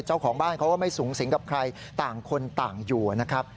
เจ้าของบ้านเขาก็ไม่สูงสิงกับใครต่างคนต่างอยู่นะครับ